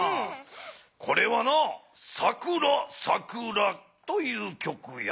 これはな「さくらさくら」という曲やゲロ。